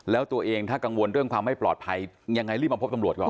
แล้วตัวเองถ้ากังวลเรื่องความไม่ปลอดภัยยังไงรีบมาพบตำรวจก่อน